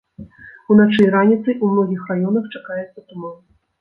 Уначы і раніцай у многіх раёнах чакаецца туман.